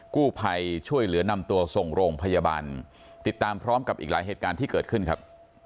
กู้ภัยช่วยเหลือนำตัวส่งโรงพยาบาลติดตามพร้อมกับอีกหลายเหตุการณ์ที่เกิดขึ้นครับ